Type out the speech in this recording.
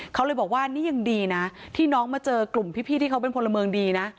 เขาเลยบอกว่านี่ยังดีนะที่น้องมาเจอกลุ่มพี่ที่เขาเป็นพลเมืองดีนะ